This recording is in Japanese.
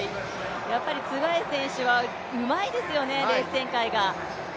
ツェガイ選手はうまいですよね、レース展開が。